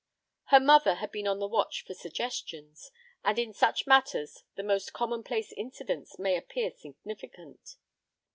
Her mother had been on the watch for suggestions. And in such matters the most commonplace incidents may appear significant.